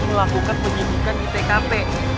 melakukan penyibukan di tkp